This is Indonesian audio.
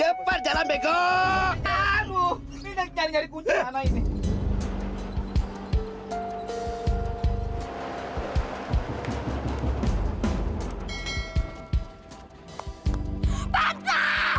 enak saja kau bilang berhenti